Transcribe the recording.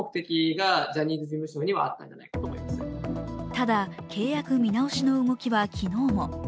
ただ、契約見直しの動きは昨日も。